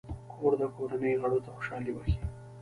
کور د کورنۍ غړو ته خوشحالي بښي.